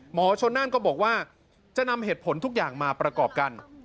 หมอชนนั่นก็บอกว่าจะนำเหตุผลทุกอย่างมาประกอบกัน